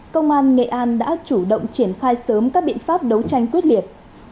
công an nghệ an đã chủ động triển khai sớm các biện pháp đấu tranh quyết liệt